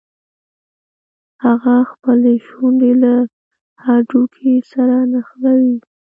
هغه خپلې شونډې له هډوکي سره نښلوي.